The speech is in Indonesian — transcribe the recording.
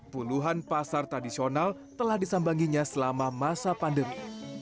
puluhan pasar tradisional telah disambanginya selama masa pandemi